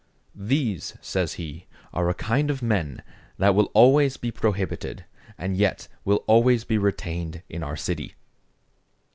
"These," says he, "are a kind of men that will always be prohibited, and yet will always be retained in our city."